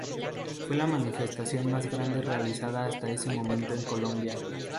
Fue la manifestación más grande realizada hasta ese momento en Colombia.